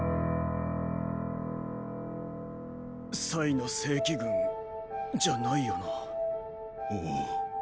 の正規軍じゃないよな。